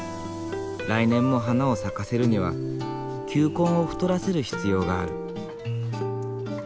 来年も花を咲かせるには球根を太らせる必要がある。